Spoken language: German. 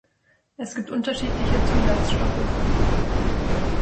Es gibt unterschiedliche Zusatzstoffe.